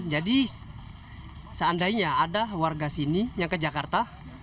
jadi seandainya ada warga sini yang ke jakarta